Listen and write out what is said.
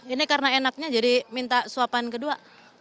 ini karena enaknya jadi minta suapan kedua